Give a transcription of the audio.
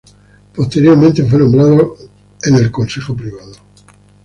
Posteriormente fue nombrado al Consejo Privado.